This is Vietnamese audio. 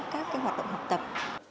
các cái hoạt động học tập